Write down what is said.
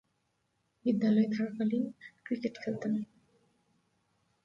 বিদ্যালয়ে থাকাকালীন ক্রিকেট খেলতেন।